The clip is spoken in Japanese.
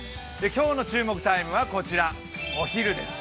今日の注目タイムはお昼です。